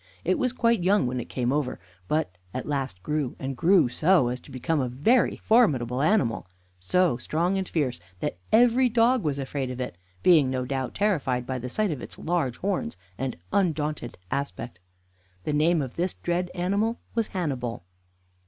It was quite young when it came over, but at last grew and grew so, as to become a very formidable animal, so strong and fierce, that every dog was afraid of it, being, no doubt, terrified by the sight of its large horns and undaunted aspect. The name of this dread animal was Hannibal.